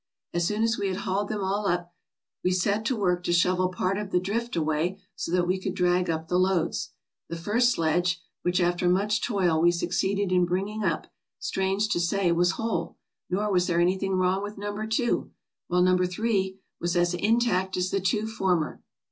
As soon as we had hauled them all up, we set to work to shovel part of the drift away so that we could drag up the loads. The first sledge, which, after much toil, we suc ceeded in bringing up, strange to say, was whole, nor was there anything wrong with number two, while number three was as intact as the two former.